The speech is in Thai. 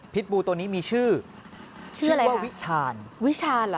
บูตัวนี้มีชื่อชื่อว่าวิชาญวิชาณเหรอ